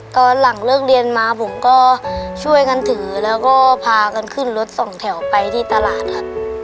ตอนหลังเลิกเรียนมาผมก็ช่วยกันถือแล้วก็พากันขึ้นรถสองแถวไปที่ตลาดครับ